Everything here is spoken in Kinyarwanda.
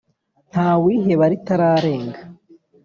Ntawiheba ritararenga.